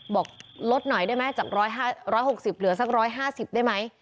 บอกลดหน่อยได้ไหมจากร้อยห้าร้อยหกสิบเหลือสักร้อยห้าสิบได้ไหม